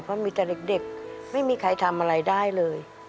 เพราะมีแต่เด็กไม่มีใครทำอะไรได้เลย